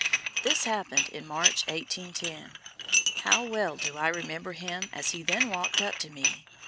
This happened in March, 1810. How well do I remember him as he then walked up to me.